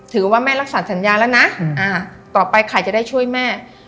ถือว่าแม่รักษาสัญญาแล้วนะต่อไปใครจะได้ช่วยแม่